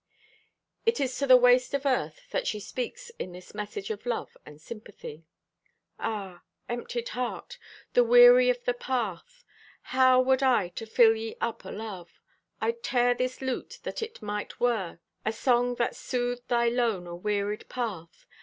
It is to the waste of earth that she speaks in this message of love and sympathy: Ah, emptied heart! The weary o' the path! How would I to fill ye up o' love! I'd tear this lute, that it might whirr A song that soothed thy lone, awearied path.